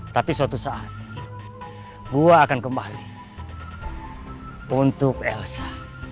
tapi suatu saat gua akan kembali untuk elsa